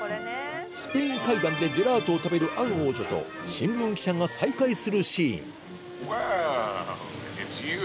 スペイン階段でジェラートを食べるアン王女と新聞記者が再会するシーン